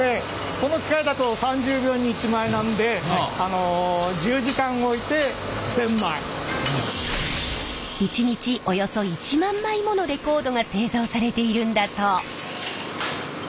この機械だと３０秒に１枚なんで１日およそ１万枚ものレコードが製造されているんだそう。